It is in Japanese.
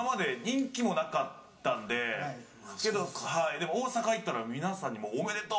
でも大阪行ったら皆さんにおめでとう！